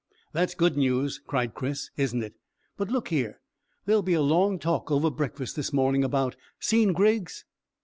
"That's good news," cried Chris. "Isn't it? But look here, there'll be a long talk over breakfast this morning about Seen Griggs?"